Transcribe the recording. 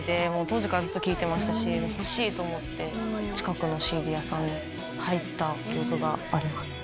当時からずっと聴いてましたし欲しいと思って近くのＣＤ屋さんに入った記憶があります。